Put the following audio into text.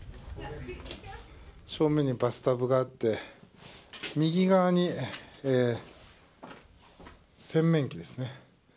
正面にバスタブがあって右側に洗面器ですね。